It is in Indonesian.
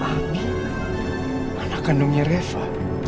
kalau ami anak kandungnya reva